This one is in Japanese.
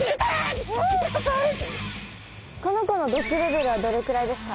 この子の毒レベルはどれくらいですか？